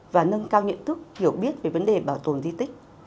và nâng cao nhận thức hiểu biết về vấn đề bảo tồn di tích